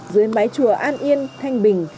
dưới mái chùa an yên thanh bình